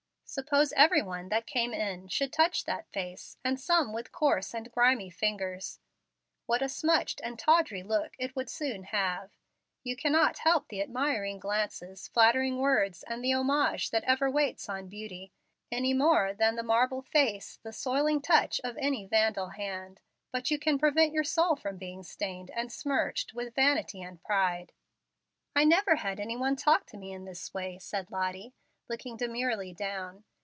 Suppose every one that came in should touch that face, and some with coarse and grimy fingers, what a smutched and tawdry look it would soon have. You cannot help the admiring glances, flattering words, and the homage that ever waits on beauty, any more than the marble face the soiling touch of any Vandal hand; but you can prevent your soul from being stained and smirched with vanity and pride." "I never had any one to talk to me in this way," said Lottie, looking demurely down.